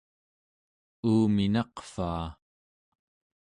uuminaqvaa!